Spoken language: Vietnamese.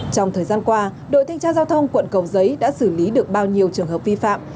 trong thời gian qua đội thanh tra giao thông quận cầu giấy đã xử lý được bao nhiêu trường hợp vi phạm